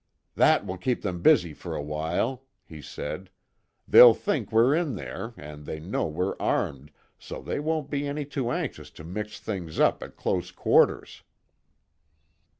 "That will keep them busy for a while," he said, "They'll think we're in there and they know we're armed, so they won't be any too anxious to mix things up at close quarters."